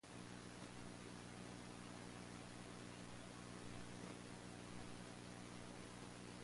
Rashid is the brother of famed architect, Hani Rashid, of Asymptote.